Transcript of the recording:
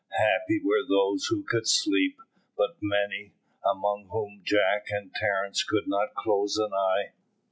Happy were those who could sleep, but many, among whom were Jack and Terence, could not close an eye.